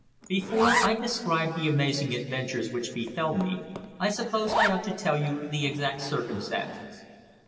Before I describe the amazing adventures which befell me I suppose I ought to tell you the exact circumstances.